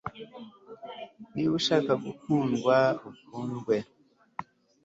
niba ushaka gukundwa, ukundwe